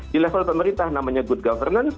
di level pemerintah namanya good governance